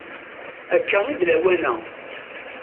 Akka i d lawan-a.